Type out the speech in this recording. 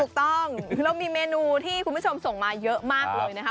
ถูกต้องคือเรามีเมนูที่คุณผู้ชมส่งมาเยอะมากเลยนะคะ